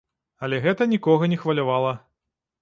Але гэта нікога не хвалявала.